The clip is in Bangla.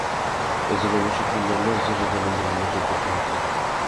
এ জন্য অবশ্য ফোন নম্বর তালিকার নম্বরগুলো যোগ করতে হবে।